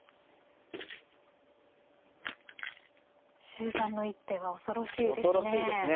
終盤の一手は恐ろしいですね。